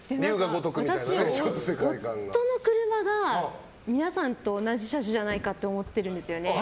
私、夫の車が皆さんと同じ車種じゃないかと思ってるんですよね。